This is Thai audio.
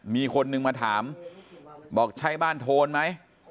มีคนนึงมาถามบอกใช่บ้านโทนไหม